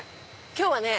今日はね